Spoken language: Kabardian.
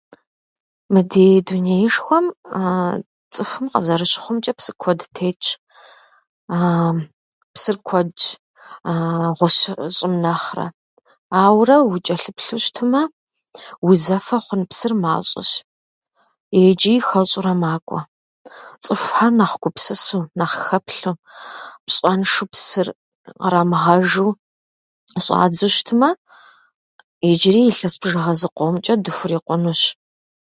Мы ди дунеишхуэм цӏыхум къызэрыщыхъумчӏэ, псы куэд тетщ. Аа- псыр куэдщ гъущэ- щӏым нэхърэ. Аурэ учӏэлъыплъу щытмэ, узэфэ хъун псыр мащӏэщ, ичӏи хэщӏурэ макӏуэ. Цӏыхухьэр нэхъ гупсысэу, нэхъх хэплъэу, пщӏэншэу псыр кърамыгъэжу щӏадзэу щытмэ, иджыри илъэс бжыгъэ зыкъомчӏэ дыхурикъунущ.